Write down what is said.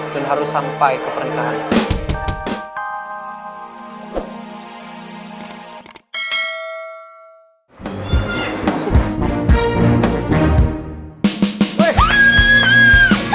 dan harus sampai ke pernikahannya